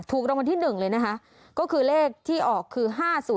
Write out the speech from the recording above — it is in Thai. ถูกรางวัลที่๑เลยนะคะก็คือเลขที่ออกคือ๕๐